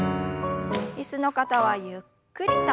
椅子の方はゆっくりと。